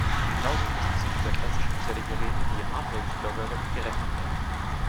Genauso müssen zu dieser Klasse spezielle Geräte wie Hardware-Keylogger gerechnet werden.